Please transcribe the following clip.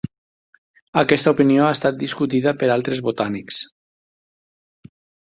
Aquesta opinió ha estat discutida per altres botànics.